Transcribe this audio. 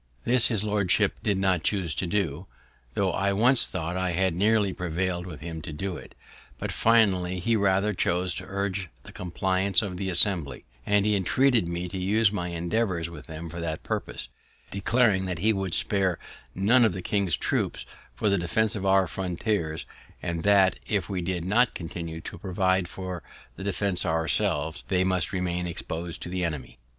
This his lordship did not chuse to do, though I once thought I had nearly prevail'd with him to do it; but finally he rather chose to urge the compliance of the Assembly; and he entreated me to use my endeavours with them for that purpose, declaring that he would spare none of the king's troops for the defense of our frontiers, and that, if we did not continue to provide for that defense ourselves, they must remain expos'd to the enemy.